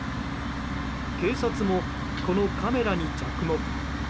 警察もこのカメラに着目。